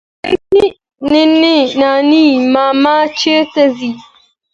نانی ماما چيري ځې؟